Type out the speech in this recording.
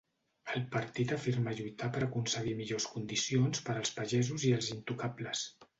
El partit afirma lluitar per aconseguir millors condicions per als pagesos i els intocables.